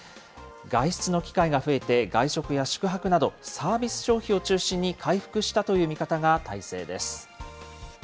外出の機会が増えて、外食や宿泊など、サービス消費を中心に回復したという見方が大勢です。